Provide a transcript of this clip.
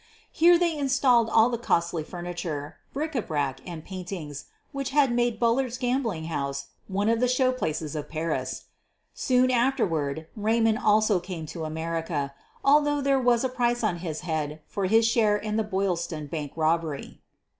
Here they installed all the costly furniture, bric a brac, and paintings which had made Bullard 's gambling house one of the show ■'j laces of Paris. Soon afterward Raymond also came to America, although there was a price on his head for his share in the Boylston Bank robbery.